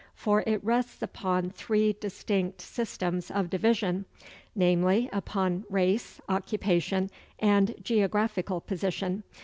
For it rests upon three distinct systems of division: namely, upon race, occupation, and geographical position.